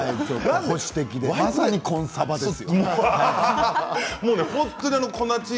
まさにコンサバです。